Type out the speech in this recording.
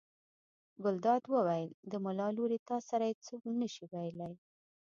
ګلداد وویل: د ملا لورې تا سره یې څوک نه شي ویلی.